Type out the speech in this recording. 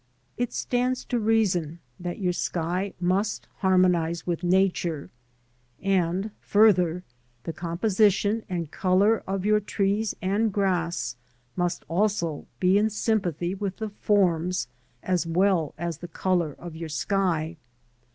It stands to reason that your sky must harmonise with Nature, and further the composition and colour of your trees and grass must also be in sympathy with the forms, as well as the colour, of your sky.